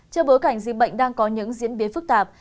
trước bối cảnh dịch bệnh đang có những diễn biến phức tạp